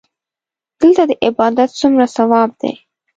دلته د عبادت څومره ثواب دی.